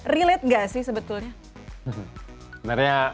relate gak sih sebetulnya